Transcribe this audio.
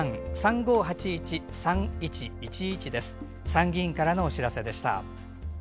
参議院からのお知らせでした。